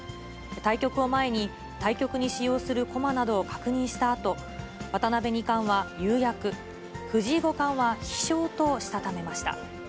対局を前に、対局に使用する駒などを確認したあと、渡辺二冠は勇躍、藤井五冠は飛翔としたためました。